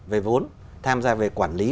về vốn tham gia về quản lý